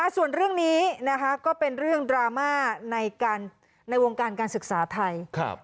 ส่วนเรื่องนี้ก็เป็นเรื่องดราม่าในวงการการศึกษาไทย